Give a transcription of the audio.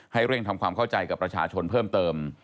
เร่งทำความเข้าใจกับประชาชนเพิ่มเติม